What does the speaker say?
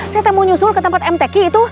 saya mau nyusul ke tempat mtq itu